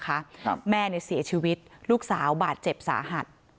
ครับแม่เนี่ยเสียชีวิตลูกสาวบาดเจ็บสาหัส